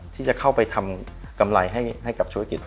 ที่จะเข้าไปทำกำไรให้กับธุรกิจ